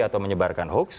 atau menyebarkan hoaks